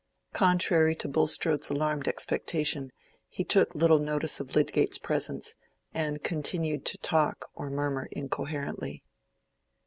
Contrary to Bulstrode's alarmed expectation, he took little notice of Lydgate's presence, and continued to talk or murmur incoherently.